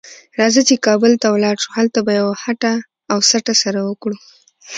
راځه چې کابل ته ولاړ شو؛ هلته به یوه هټه او سټه سره وکړو.